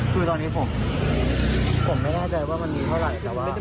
คือตอนนี้ผมผมไม่แน่ใจว่ามันมีเท่าไหร่